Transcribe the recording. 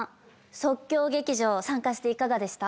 即興劇場参加していかがでした？